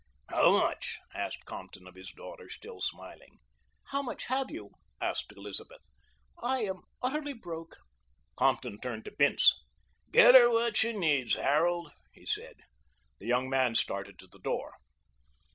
"How much?" asked Compton of his daughter, still smiling. "How much have you?" asked Elizabeth. "I am utterly broke." Compton turned to Bince. "Get her what she needs, Harold," he said. The young man started to the door.